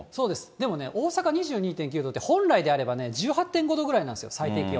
でもね、大阪２２．９度って、本来であれば１８．５度ぐらいなんですよ、最低気温。